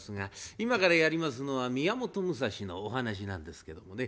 今からやりますのは宮本武蔵のお話なんですけどもね。